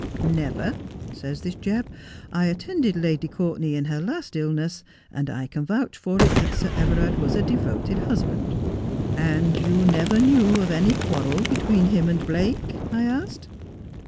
" Never," says this Jelib. " I attended Lady Courtenay in her last illness, and I can vouch for it that Sir Everard was a devoted husband." " And you never knew of any quarrel between him and Blake?" I asked.